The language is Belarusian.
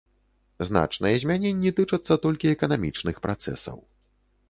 Значныя змяненні тычацца толькі эканамічных працэсаў.